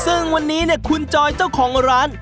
ซึ่งวันนี้เนี่ยคุณจอยเจ้าของร้าน